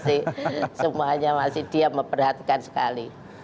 masih semuanya masih dia memperhatikan sekali